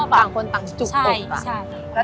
บางคนต่างจุกกก่อน